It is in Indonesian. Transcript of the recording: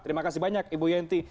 terima kasih banyak ibu yenti